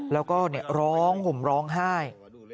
แล้วก็ร้องห่มร้องไห้